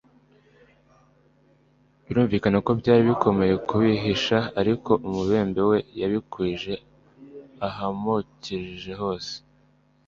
Birumvikana ko byari bikomeye kubihisha, ariko umubembe we yabikwije ahamukikije hose.